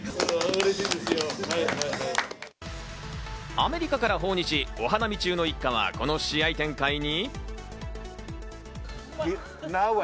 アメリカから訪日、お花見中の一家はこの試合展開に。